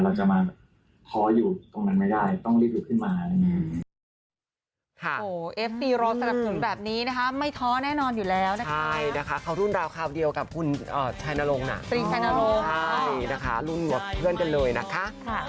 เราจะมาขออยู่ตรงนั้นไม่ได้ต้องรีบลุกขึ้นมา